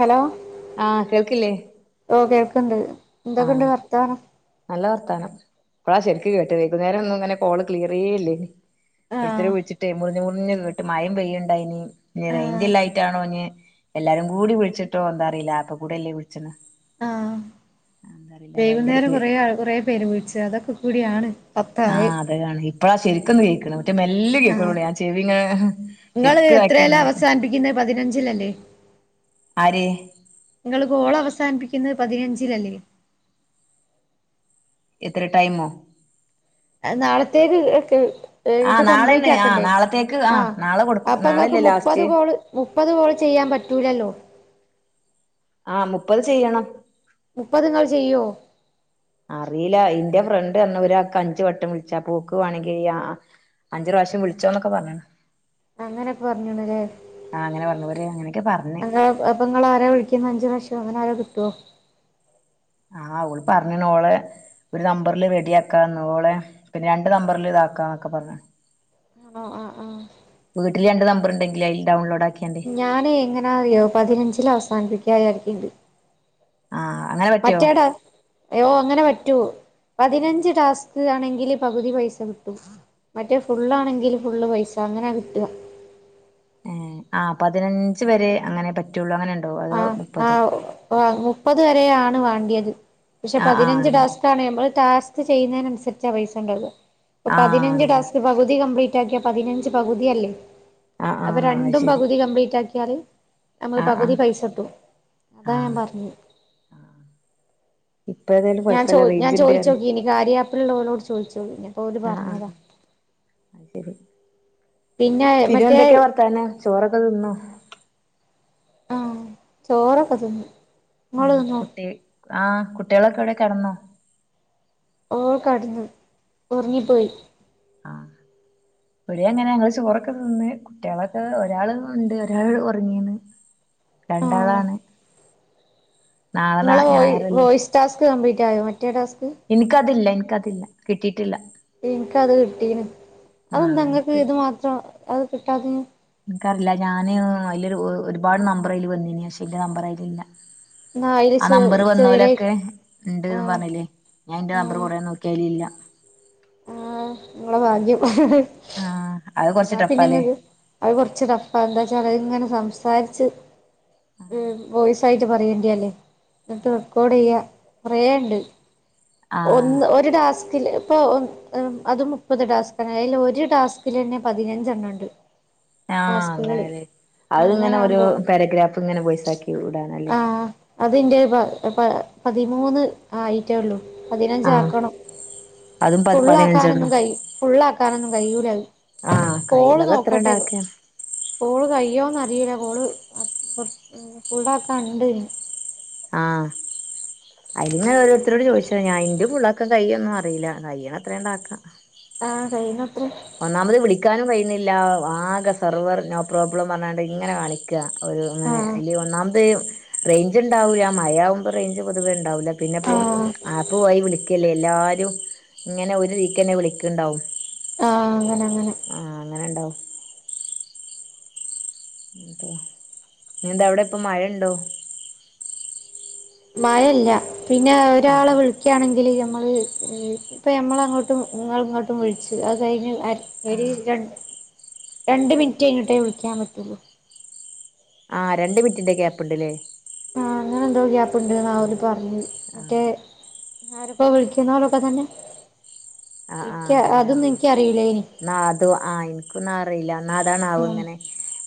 Hello ആഹ് കേൾക്കില്ലേ? ഓഹ് കേൾക്ണ്ട്. ആഹ് എന്തൊക്കെണ്ട് വർത്താനം? നല്ല വർത്താനം. ഇപ്പളാ ശരിക്ക് കേട്ടത് വൈകുന്നേരം ഒന്നും ഇങ്ങനെ കോള് ക്ലിയറേ ഇല്ലേനി ഓരോരുത്തര് ആഹ് വിളിച്ചിട്ട് മുറിഞ് മുറിഞ് കേട്ട് മയി പെയ്യ്ണ്ടായിനി ഇനി ആഹ് റേഞ്ചല്ലായിട്ടാണോഞ്ഞ് എല്ലാരും കൂടി വിളിച്ചിട്ടോ എന്താ അറിയില്ല അപ്പ കൂടെയല്ലേ വിളിച്ചണ് ആഹ് എന്താ അറിയില്ല ഭയങ്കര വൈകുന്നേരം കേ കൊറെ കുറെ പേര് വിളിച്ചു അതൊക്കെ കൂടിയാണ്. പത്തായെ ആഹ് അതാണ് ഇപ്പഴാ ശരിക്കൊന്ന് കേൾക്കണ്. മെല്ലെ ആഹ് കേക്കണൊള്ളു ഞാൻ ചെവിങ്ങനെ ഇങ്ങള് ശരിക്ക് എത്രേലാ [unintelligible] അവസാനിപ്പിക്കുന്നെ പതിനഞ്ചിലല്ലേ ആര് ഇങ്ങള് ഗോൾ അവസാനിപ്പിക്കുന്നത് പതിനഞ്ചിലല്ലേ. എത്ര ടൈമൊ നാളത്തോക്ക് എടുക്ക്. ഇത് ആഹ് നാളെയാണ് കംപ്ലീറ്റ് ആഹ് ആക്കണ്ടേ. നാളത്തേക്ക് ആഹ് നാളെ കൊടുക്ക് അപ്പൊ നിങ്ങൾക്ക് നാളെയല്ലേ മുപ്പത് ലാസ്റ്റ് കോള് മുപ്പത് കോൾ ചെയ്യാൻ പറ്റൂലല്ലോ ആഹ് മുപ്പത് ചെയ്യണം. മുപ്പത് നിങ്ങൾ ചെയ്യോ? അറിയില്ല എന്റെ ഫ്രണ്ടർഞ് ഒരാക്ക് അഞ്ച് വട്ടം വിൾച്ചാപ്പ ഓക്ക് വാണെങ്കിൽ അഞ്ച് പ്രാവശ്യം വിളിച്ചോന്നൊക്കെ പർഞ്ണ്. അങ്ങനെ പർഞ്ണ് ലെ ആ അങ്ങനെ പറഞ്ഞു ഓര് അങ്ങനെയൊക്കെ പറഞ്ഞ് അതാ അപ്പൊ ഇങ്ങള് ആരെ വിളിക്കുന്നത് അഞ്ച് പ്രാവിശ്യം അങ്ങനെ ആരോ കിട്ടോ? ആഹ് ഓള് പറഞ്ഞ്ണ് ഓള് ഒരു നമ്പറിൽ റെഡിയാക്കാം ഓളെ പിന്നെ രണ്ട് നമ്പറിൽ ഇതാക്കാന്നൊക്കെ പറഞ്ഞ്. ആഹ് ആഹ് ആഹ് വീട്ടിൽ രണ്ട് നമ്പറെണ്ടെങ്കിൽ അയില് ഡൗൺലോഡ് ആക്കിയാണ്ട്. ഞാൻ എങ്ങനാ അറിയോ പതിനഞ്ചിൽ അവസാനിപ്പിക്ക്യാര്ണ്ട് ആ അങ്ങനെ പറ്റുവോ മറ്റേ ടാ അയ്യോ അങ്ങനെ പറ്റു. പതിനഞ്ച് ടാസ്ക് ആണെങ്കിൽ പകുതി പൈസ കിട്ടും. മറ്റേ ഫുള്ളാണെങ്കിൽ ഫുള്ള് പൈസ അങ്ങനെ കിട്ട ഏഹ് ആഹ് പതിനഞ്ച് വരെ അങ്ങനെ പറ്റുള്ളു അങ്ങനെണ്ടോ? അതോ മുപ്പതൊ വാ മുപ്പത് വരെ ആണ് വേണ്ടിയത്. പക്ഷെ ആ ആ പതിനഞ്ച് അങ്ങനെ ടാസ്ക് ആണ് നമ്മൾ ടാസ്ക് ചെയ്യുന്നേൻസരിച്ചാ പൈസ ഉണ്ടാവ. ആ പതിനഞ്ച് അങ്ങനെ ടാസ്ക് പകുതി കംപ്ലി ട്ടാക്യ പതിനഞ്ച് പകുതിയല്ലേ ആ ആ അപ്പൊ അത് രണ്ടും ശരി പകുതി കംപ്ലീറ്റ് ആക്കിയാല്. നമുക്ക് ആ ആ പകുതി പൈസട്ടും ആ അതാണ് ഞാൻ പറഞ്ഞെ ഇപ്പ ഏതായാൽ ! ! ! ! ! ! ! ! ! ! ആഹ് ആഹ് ശരി പിന്നെ എന്തൊക്കെയാ വർത്താനം. ചോറൊക്കെ തിന്നോ? ആഹ് ചോറൊക്കെ തിന്നു. ഇങ്ങള് ഏഹ് തിന്നോ കുട്ടി ആ കുട്ടികളൊക്കെ എവിടെ കെടന്നോ? ഓഹ് കെട്ന്നു ഉറങ്ങിപ്പോയി. ആഹ് ഇബടി അങ്ങനെ ഞങ്ങള് ചോറൊക്കെ തിന്ന്. കുട്ടികളൊക്കെ ഒരാള് ഉണ്ട് ഒരാള് ഉറങ്ങീന് ആഹ് രണ്ടാളാണ് നാളെ നാ നിങ്ങളുടെ വോ ഞായറല്ലേ വോയിസ് ടാസ്ക് കംപ്ലീറ്റ് ആയോ മറ്റേ ടാസ്ക് എനിക്കതില്ല എനിക്കതില്ല കിട്ടിയിട്ടില്ല എനിക്ക് അത് കിട്ടീന് ആ അത് എന്താ ഇങ്ങക്ക് എനിക്ക് ഇത് മാത്രം അത് കിട്ടാഞ്ഞേ എനിക്കറില്ല ഞാന് അതില് ഒരുപാട് നമ്പർ അയില് വന്നിനി പക്ഷേ എന്റെ നമ്പർ അതിൽ ഇല്ല ന്നാ അയില് ആഹ് ചെ നമ്പർ ചെറിയ വന്നോലൊക്കെ ഉണ്ടെന്ന് ആഹ് പറഞ്ഞില്ലേ ഞാൻ എന്റെ നമ്പർ ആഹ് കൊറേ നോക്കി അയിലില്ല. നിങ്ങടെ ഭാഗ്യം ആ അത് കൊറച്ച് എന്നാ പിന്നെ ടഫാല്ലേ നിങ്ങക്ക് അത് കുറച്ച് ടഫാ എന്താ വച്ചാല് അതിങ്ങനെ സംസാരിച്ച് വോയി സായിട്ട് പറയേണ്ടിയല്ലേ എന്നിട്ട് റെക്കോർഡ് ചെയ്യാ കുറേയുണ്ട് ആ ഒന്ന് ഒരു ടാസ്കില് ഇപ്പൊ അത് മുപ്പത് ടാസ്കാണ് അതില് ഒരു ടാസ്കിൽ തന്നെ പതിനഞ്ചെണ്ണം ഉണ്ട് ആഹ് ടാസ്കുകള് അങ്ങനല്ലേ അത് ഇങ്ങനെ ഒരു അങ്ങനാവുമ്പോ പാരഗ്രാഫ് ഇങ്ങനെ വോയിസാക്കി വിടാനല്ലേ അത് എന്റെ പ പ പതിമൂന്ന് ആയിട്ടേയുള്ളു പതിനഞ്ച് ആഹ് ആക്കണം. അതും പ ഫുുള്ളാക്കാനൊന്നും പതിനഞ്ചെണ്ണം കഴി ഫുള്ളാക്കാനൊന്നും കഴിയൂല അത് ആഹ് കോള് കഴിയുന്നത് അത്ര നോക്കട്ടെ ഉണ്ടാക്കാണ് കോള് കയ്യോന്ന് അറിയില്ല കോള് ഫുള്ളാക്കാൻ ഉണ്ട് ഇനി ആഹ് അയ്ല് ഇങ്ങെനെ ഓരോരുത്തരോട് ചോദിച്ച പക്ഷേ ഞാൻ അയിന്റെ പുള്ളൊക്കെ കയ്യൊന്നും അറിയില്ല കയ്യുന്ന അത്രേ അങ്ങട്ട് ആക്കാം ആഹ് കൈയ്യുന്നത്ര ഒന്നാമത് വിളിക്കാനും കഴിയുന്നില്ല ആകെ സെർവർ നോ പ്രോബ്ലം പറഞ്ഞാണ്ട് ഇങ്ങനെ കാണി ഒരു അങ്ങനെ ആഹ് അല്ല ഒന്നാമത് റേഞ്ച് ഉണ്ടാവില്ല മഴയാവുമ്പോൾ റേഞ്ച് പൊതുവെ ഉണ്ടാവൂല്ല പിന്നിപ്പം ആഹ് ആപ്പുവായി വിളിക്കയല്ലേ എല്ലാവരും ഇങ്ങനെ ഒരു ഇതിക്ക് തന്നെ വിളിക്കുണ്ടാവും ആഹ് അങ്ങനെ അങ്ങനെ ആ അങ്ങനെ ഉണ്ടാവും എന്താ പിന്നെന്താ അവിടെ ഇപ്പ മഴയുണ്ടോ മഴയില്ല പിന്നെ ഒരാളെ ആഹ് വി ളിക്ക ആണെങ്കിൽ ഞമ്മള് ഇപ്പൾ ഞമ്മള് അങ്ങോട്ടും ഇങ്ങള് ഇങ്ങോട്ടും വിളിച്ച് അത് കഴിഞ്ഞ് അര ഒരു ര രണ്ട് മിനിറ്റ് കഴഞ്ഞിട്ടേ വിളിക്കാൻ പറ്റുള്ളൂ ആഹ് രണ്ട് മിനിറ്റിന്റെ ഗ്യാപ്പുണ്ടല്ലേ ആഹ് അങ്ങനെ എന്തോ ഗ്യാപ്പ് ഉണ്ടെന്നാ അവര് പറഞ്ഞത് മറ്റേ ആഹ് ആരൊക്കെ വിളിക്കുന്നവരൊക്കെ തന്നെ എനിക്ക് അതൊന്നും എനിക്ക് അറിയി എന്നാ അത് ആ എനിക്കൊന്നും അറിയില്ല എന്നാ അതാണാവും ഉം ഇങ്ങനെ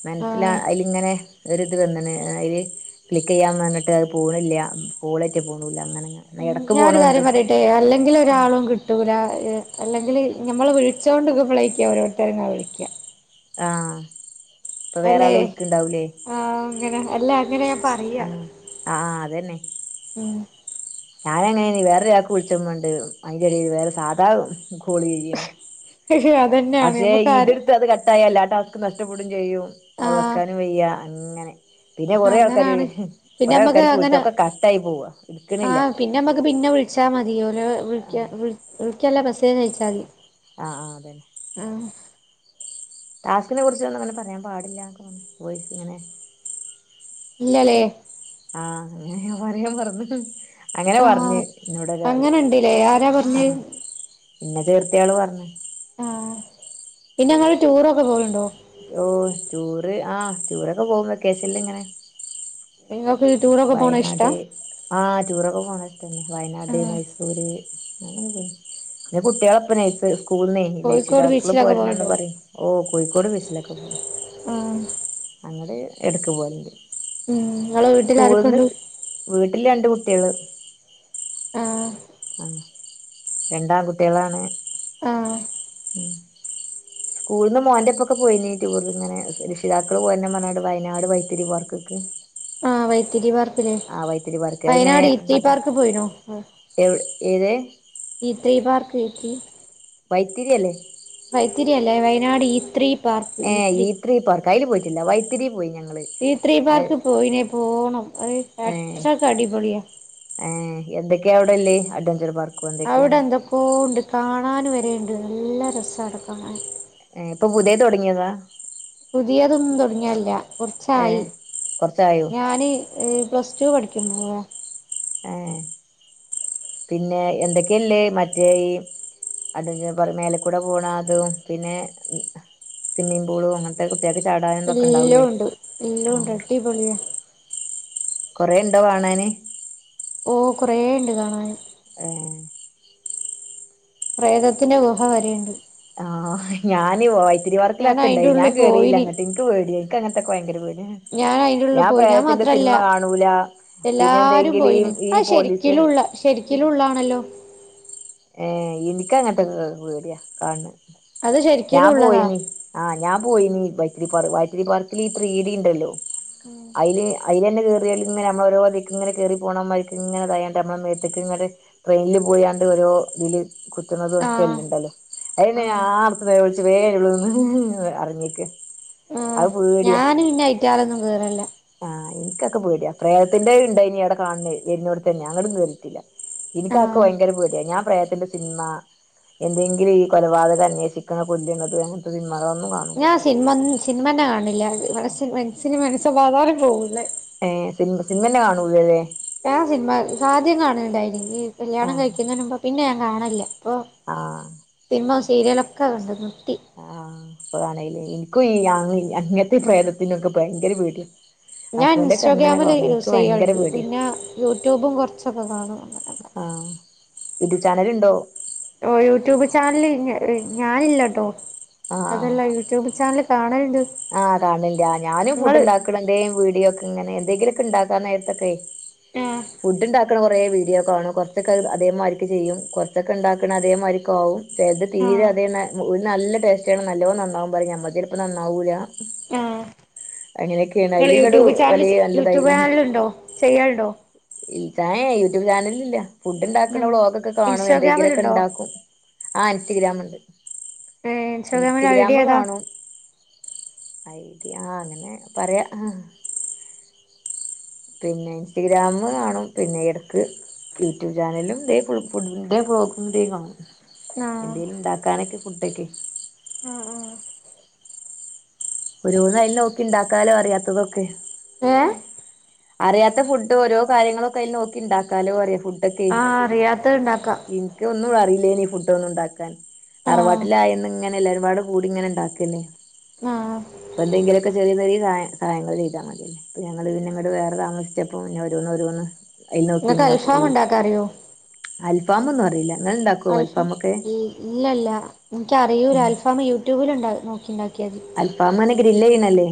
മനസിലാ ആഹ് ഇങ്ങനെ ഒരിത് വന്നിന് അയില്‌ ക്ലിക്ക് ചെയ്യാന്ന് പറഞ്ഞിട്ട് അത് പോണില്ല കോളേറ്റ് പോണൂ ഇല്ല അങ്ങനങ്ങനെ ഉം ഞാൻ ഒരു കാര്യം പറയട്ടെ അല്ലെങ്കിൽ ഒരാളും കി കിട്ടൂലാ അല്ലെങ്കില് നമ്മള് വിളിച്ചു കൊണ്ട് നിക്കുമ്പോളായിരിക്കും ഓരോരുത്തര് ഇങ്ങനെ വിളിക്കുക ആഹ് ഇപ്പൊ വേറെ ആള് വിളിക്കണുണ്ടാവൂലേ ആഹ് അങ്ങനെ അല്ല അങ്ങനെയാ പറയാ ആഹ് ആഹ് അതന്നെ ഉം ഞാനാണെ വേറൊരാൾക്ക് വിളിച്ചങ്ങാണ്ട് അതിന്റെ ഇടയിൽ വേറെ സാധാ കോള് ചെയ്യണ്ട് അതന്നെയാണ് പക്ഷെ നമ്മുക്ക് ആ ഇതെടുത്ത് അത് ക ട്ടായാൽ എല്ലാ ടാസ്കും നഷ്ടപ്പെടുവേയും ചെയ്യും അത് വെക്കാനും ആ വയ്യ അങ്ങനെ പിന്നെ കുറെ ആൾക്കാർ അങ്ങനാണ് പിന്നെ കൊറെ നമ്മക്ക് ആൾക്കാർക്ക് വിളിച്ചാ അങ്ങനെ ഒക്കെ കട്ടായി പോവുവാ ആ എടുക്കണില്ല പിന്നെ നമ്മുക്ക് പിന്നെ വിളിച്ചാൽ മതി ഓല് വിളിക്ക ആഹ് വിളിക്കുവല്ല മെസ്സേജ് അയച്ചാൽ മതി ആഹ് ആഹ് അതെന്നെ ഉം ടാസ്കിനെ കുറിച്ചൊന്നും അങ്ങനെ പറയാൻ പാടില്ല എന്നൊക്കെ പറഞ്ഞ് വോയിസ് ഇങ്ങനെ ഇല്ലല്ലേ ആഹ് അങ്ങനെ ഞാൻ പറയാൻ മറന്നു അങ്ങനെ ആ പറഞ്ഞു നിന്നോട് ഒരാള് അങ്ങനെണ്ട്ല്ലേ ആരാ പറഞ്ഞേ ആഹ് ഇന്നെ ചേർത്തിയ ആള് പറഞ്ഞു ആഹ് പിന്നെ ഇങ്ങൾ ടൂറൊക്കെ പോകലുണ്ടോ ഓഹ് ടൂറ് ആ ടൂറൊക്കെ പോകും വെക്കേഷൻല്ല ഇങ്ങനെ ഇങ്ങക്ക് ടൂർ വയനാട് ആഹ് ടൂറൊക്കെ പോണ ഇഷ്ടന്നെ ആ വയനാട് മൈസൂര് അങ്ങനെ പോയി പിന്നെ കുട്ടികള ഇപ്പം നയ്സ സ്കൂളനെയ് കോഴിക്കോട് രക്ഷിതാക്കള് ബീച്ചിലൊക്കെ പോരന്നന്ന് പോവലുണ്ടോ പറയും ഓ കോഴിക്കോട് ബീച്ചിൽ ഒക്കെ പോവും ആ അങ്ങടെ ഇടക്ക് പോകലുണ്ട് ഉം ഇങ്ങളെ സ്കൂളന്ന് വീട്ടിലാരൊക്കെണ്ട് വീട്ടില് രണ്ട് കുട്ടി ആള് ആ ആ രണ്ടാം കുട്ടികളാണ് ആഹ് ഉം സ്കൂളിൽ നിന്ന് മോന്റെറെപ്പൊക്കെ പോയിനി ടൂർ ഇങ്ങനെ രക്ഷിതാക്കള് പോയന്നെ പറഞ്ഞാട് വയനാട് വൈത്തിരി പാർക്ക്ക്കൊക്കെ ആഹ് വൈത്തിതിരി പാർക്ക് വൈത്തിരി പാർക്ക് അതിങ്ങനെ വയനാട് ഇത്തി അങ്ങട്ട് പാർക്ക് പോയിനോ? എവ് ഏത് ഈത്രീ പാർക്ക് [unintelligible] വൈത്തിരി അല്ലേ? വൈത്തിരിയല്ല വയനാട് ഈ ത്രീ പാർ ഏ ഈത്രീ പാർക്ക് അയ്ല് പോയ്റ്റ്ല്ല. വൈത്തിരി പോയി ഞങ്ങള്. ഈത്രീ അത് പാർക്ക് പോയിലെ പോണം. അയ് ഏ അത്രക്കടിപൊളിയ ഏ എന്തൊക്കെയാ അവിടെല്ലേ? അഡ്വഞ്ചർ പാർ അവ്ടെന്തൊക്കോണ്ട് കാണന് വരേണ്ട്. നല്ല രസാടെ കാണാന് ഏ പ്പൊ പുതിയെ തൊട്ങ്ങിയെതാ? പുതിയതൊന്നും തൊട്ങ്ങിയല്ല ഏ കൊർച്ചായി കൊറച്ചായോ ഞാന് ഈ പ്ലസ് ടു പഠിക്കുമ്പൊ പോയാ പിന്നെ എന്തെക്കെല്ലേ? മറ്റേ ഈ അതന്നെ പറി മേലെക്കൂടെ പോണാതും പിന്നെ സിമ്മീംപൂളും അങ്ങ കുട്ട്യാക്ക് ചാടാനും തൊക്കെണ്ടാവും ലെ? ടിപൊളിയാ കൊറേണ്ടൊ കാണാന്? ഓ കൊറേണ്ട് കാണാന് ഏഹ് പ്രേതത്ത്ന്റെ ഗുഹ വരെണ്ട് ആഹ് ഞാന് പോയി ഞാൻ അയിന്റെ തിരിവർക്കിലൊക്കെണ്ടായി ഞാൻ ഉള്ളിൽ പോയിന് കേറില്ലങ്ങട്ട് ഇനിക്ക് പേടി ഇനിക്കങ്ങൻത്തൊക്ക ഭയങ്കര പേട്യാ ഞാൻ അയിന്റെ ഉള്ളിൽ ഞാ പോയി ഞാൻ [unintelligible] [unintelligible] മാത്രല്ല സിൻമ കാണൂല എല്ലാരും പിന്നെന്തെങ്കിലു ഈ പോയിന് ഈ അത് പോലീസ് ശരിക്കിലുള്ള ശരിക്കിലുള്ളാണല്ലോ ഏ ഇന്ക്കങ്ങൻത്തൊക്കെ വേട്യാ കാൺണെ അത് ഞാ ശരിക്കിലുള്ളതാ പോയിനി. ആഹ് ഞാപോയ്നി. വൈത്തിരി പാർ വൈത്തിരി പാർക്കില് ഈ ത്രിഡിണ്ടല്ലോ അയ്ല് അയ്ലെന്നെ കേറിയാല്ങ്ങനെ അമ്മളോരോതീക്ക്ങ്ങനെ കേറിപ്പോണമാരിക്ക്ങ്ങനെ ദായാണ്ട് അമ്മളെ മേത്ത്ക്ക്ങ്ങട് ട്രെയിനില് പോയാണ്ട് ഓരോ തില് ആഹ് കുത്ത്ണതൊക്കണ്ടല്ലോ [unintelligible] [unintelligible] ആഹ് ഞാന് പിന്നെ അയറ്റാളൊന്നും കേറേൽല്ല ആഹ് ഇൻക്കൊക്കെ പേട്യാ പ്രേതത്ത്ന്റെണ്ടായ്നി അവ്ടെ കാ ണ്ണെ വര്നോട്ത്തന്നെ. അങ്ങടും കേറീട്ട്ല്ല. ഇന്ക്കഒക്കെ ആഹ് വയ്ങ്കര പേട്യാ ഞാൻ പ്രേതത്ത് ന്റെ സിനിമ എന്തെങ്കിലും ഈ കൊലപാതകം അന്വേഷിക്കണ [unintelligible] അങ്ങനത്തെ സിനിമകളൊന്നും കാ ഞാൻ സിൻമ സിനിമന്നെ കാണൽല്ല ഇവടെ മൻഷ്യന് മനസ്സമാധാനം പോവൂല്ലേ? ഏ സിൻമ സിൻമെന്നെ കാണൂലലെ ഞൻ സിൻമ ആദ്യം കാണല്ണ്ടേയ്നി കല്യാണ ആഹ് കഴിക്കുന്നേനുമ്പ്. പിന്നെ ഞാൻ കാണല്ല്ലപ്പൊ ആഹ് സിൻമിം സീരീയേലൊക്കെ കണ്ട്ന്ന്. നിർത്തി ആഹ് അപ്പൊതാണേല് ഇൻക്കും ഈ അങ്ങൻത്തി പ്രേതത്ത്ന്റൊക്കെ ഭയങ്കര പേട്യാ ഞാൻ ഇൻസ്റ്റഗ്രാമില് യൂസെയ്യാർള്ളൂ. പേടിയാ പിന്ന യൂട്യൂബും കൊർച്ചൊക്ക കാണും. അങ്ങനൊക്കെ ആഹ് യൂട്യൂബ് ചാനലുണ്ടോ ഓ യൂട്യൂബ് ചാനല് ഞ ഞാനില്ലട്ടോ ആഹ് അതല്ല യു ട്യൂബ് ചാനല് കാണല്ണ്ട് ആഹ് കാണൽണ്ട്. ആ ഞാനും ഫുഡ്ണ്ടാക്ക്ണെന്തേം വീഡിയൊക്കങ്ങനെ എന്തെങ്കിലൊക്കെ ണ്ടാക്കാന്നേരത്തൊക്കെ ആഹ് ഫുഡ്ണ്ടാ ക്ക്ണ കൊറേ വീഡിയോ കാണും കുറച്ചൊക്ക അതേ മാരിക്ക് ചെയ്യും. കൊർച്ചൊക്കണ്ടാക്കണതേ മാരിക്കാവും ചെൽത് തീരെ ആഹ് അതേ ഒരു നല്ല ടേസ്റ്റാണ് നല്ലോനന്നാവും പറിം ഞമ്മൾതെൽപ്പൊ നന്നാവൂല. ആഹ് അങ്ങനെയൊക്കെയാണ് ങ്ങള് അയ്ലിങ്ങട് യൂട്യൂബ് ചാനല് വലിയ ച് നല്ലതായി യൂട്യൂബ് ചാനല്ണ്ടോ? ചെയ്യൽ ണ്ടോ? ഇതാ ഏ യൂട്യൂബ് ചാനലില്ല ഫുഡ്ണ്ടാക്ക്‌ണ വ്ലോഗൊക്കെ കാണും ഇൻസ്റ്റാഗ്രാമിലുണ്ടോ എന്തെങ്കിലൊക്കെണ്ടാക്കും ആഹ് ഇൻസ്റ്റിഗ്രാമ്ണ്ട്. ഏഹ് ഇൻസ്റ്റാഗ്രാമിൽ ഐ ഡി ഇൻസ്റ്റ്ഗ്രാമ് ഏതാ കാണും അയിതി ആഹ് അങ്ങനെ പറയാ ആഹ് പിന്നെ ഇൻസ്റ്റഗ്രാമ് കാണും പിന്നെ എടക്ക് യൂട്യൂബ് ചാനലും തേ ഫുൾ ഫുഡ്ന്റേം വ്ലോഗിന്റേം കാണും ആഹ് എന്തേലും ഇണ്ടാക്കാനൊക്കെ ഫുഡ്ക്കെ ഒരോന്ന് അയില് നോക്കി ഇണ്ടാക്കാലോ അറിയാത്തതൊക്കെ ഏ അറിയാത്ത ഫുഡ് ഓരോ കാര്യങ്ങളൊക്കെ അയില് നോക്കിണ്ടാക്കാലോപറിയ ഫുഡ് അതെ ആഹ് അറിയാത്തത് പിൻ ഉണ്ടാക്കാം ഇക്ക് ഒന്നും അറില്ലേനീ ഫുഡ് ഒന്നും ഉണ്ടാക്കാൻ ആഹ് തറവാട്ടിലായന്ന്ങ്ങനെ എല്ലാരുപാട് കൂടി ഇങ്ങനെ ഇണ്ടാക്കല് ആഹ് ഇപ്പ എന്തങ്കിലെക്കെ ചെറിയ ചെറിയ സഹായ സഹായങ്ങള് ചെയ്താ മതി അപ്പ ഞങ്ങള് പിന്നെ ഇങ്ങട്ട് വേറെ താമസി ച്ചപ്പോ പിന്നോരോന്ന് ഒരോന്ന് അയ്ല് നിങ്ങൾക്ക് നോക്കിങ്ങനെ അൽഫാം പോയി ഉണ്ടാക്കാൻ അറിയോ അൽഫാമൊന്നും അറീല ങ്ങള് ണ്ടാക് അൽഫാം ഇല്ല ഇല്ല എനിക്കറിയൂല അൽഫാമ് യൂട്യൂബില്ണ്ടാക് നോക്കിണ്ടാക്കിയാതി അൽഫാമാണെ ഗ്രില്ല് ചെയ്യ്ണല്ലേ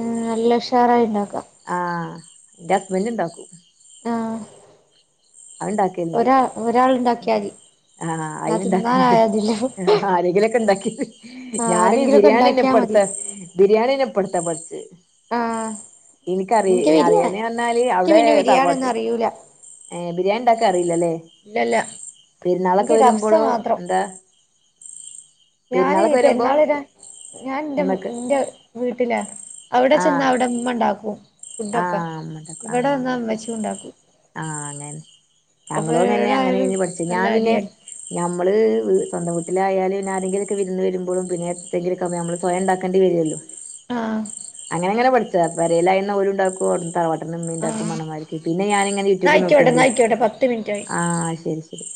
ഉം നല്ല ഉഷാറായി ഇണ്ടാക്കാം ആഹ് ന്റെ ഹസ്ബന്റ്ണ്ടാക്കും ആഹ് അത്ണ്ടാക്കല്ണ്ട് ഒരാ ഒരാള്ണ്ടാക്കിയാതി ആ ഞാൻ അയിന് ഇണ്ടാക്കനറിയ തിന്നാനായതില്ല ആഹ് ആരെങ്കിലൊക്കെ ഇണ്ടാക്കി ഞാന് ആരെങ്കിലൊക്കെ ബിരിയാണിന്നെ ഇണ്ടാക്കിയാ മതി ഇപ്പടുത്ത ബിരിയാണിന്നെ ഇപ്പടുത്ത പഠിച്ചേ ആഹ് ഇൻക്ക് എനിക്കറിയ ബിരിയാ അറിയാനേ വന്നാല് ഇൻക്ക് അവിടെ പിന്നെ ബിരിയാണിയൊന്നും തറവാട്ട് അറിയൂല ഏഹ് ബിരിയാണി ഇണ്ടാക്കാൻ അറിലല്ലേ ഇല്ലല്ല പെരുന്നാളൊക്കെ ഇൻക്ക് കബ്സ വരുമ്പളോ മാത്രം ത ഞാന് പെരുന്നാള് വരാ ഞാൻ ന്റെ ഉമ്മക്ക് ന്റെ വീട്ടിലാ അവടെ ചെന്ന ആഹ് അവടെ ഇമ്മണ്ടാക്കും ആഹ് ഇന്നട്ട് ആഹ് ആ ശരി ഇമ്മച്ചി ഇണ്ടാക്കും ആഹ് അങ്ങനെ അപ്പൊ ഞങ്ങളു തന്നെ എവിടായാലും അങ്ങനെനി പഠിച്ചെ നല്ല ഞാൻ പിന്നെ അടിയായി ഞമ്മള് സ്വന്തം വീട്ടിലായാല് പിന്ന ആരെങ്കിലൊക്കെ വിരുന്ന് വരുമ്പോളും പിന്നെ എപ്പളങ്കിലും സമയം നമ്മള് സ്വയം ഇണ്ടാക്കേണ്ടി വരല്ലോ ആഹ് ഞാനങ്ങനെ പഠിച്ച പെരേലായന്ന് ഓരുണ്ടാക്കു അവ്ട്ന്ന്‌ തറവട്ട്ന്ന് ഇമ്മിംണ്ടാക്കും പറഞ്ഞമാതിരിക്ക് പിന്നെ ഞാനിങ്ങനെ ന്നാ യൂട്യൂബ് ആയിക്കോട്ടെ നോക്കിയാണ്ടേ ന്നാ ആയിക്കോട്ടെ പത്ത് മിനിറ്റായി ആഹ് ശരി ശ് [inaudible]